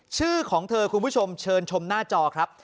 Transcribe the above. ชื่อของเธอคุณผู้ชมเชิญชมหน้าจอครับ